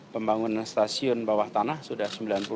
pembangunan stasiun bawah tanah sudah sembilan puluh delapan